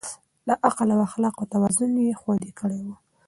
د عقل او اخلاقو توازن يې خوندي کړی و.